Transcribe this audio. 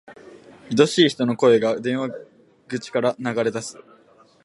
愛しい人の声が、電話口から流れ出す。